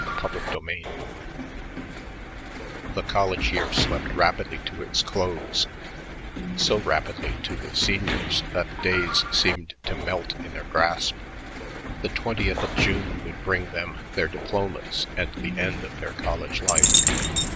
CHAPTER XXVI The college year swept rapidly to its close, so rapidly to the seniors that the days seemed to melt in their grasp. The twentieth of June would bring them their diplomas and the end of their college life.